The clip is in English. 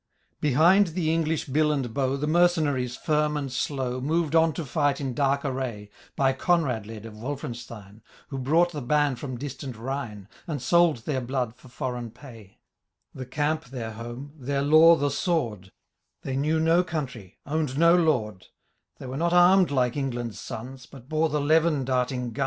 Behind the English bill and bow. The mercenaries, firm and slow, Moved on to fight in dark array. By Coniad led of Wolfenstein, Who brought the band from distant Rhine» And sold their blood for foreign pay. The camp their home, their law the sword. They knew no country own'd no lord :' They were not arm*d like England's sons. But bore the levin darting guns ;• See ADOcndix, Note 2 V Digitized by VjOOQIC fkmto JV.